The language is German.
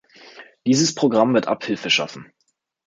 Dieses Programm wird Abhilfe schaffen.